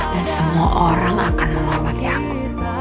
dan semua orang akan mengawati makku